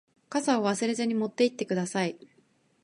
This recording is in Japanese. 傘を忘れずに持って行ってください。